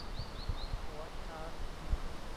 ตั๋วช้าง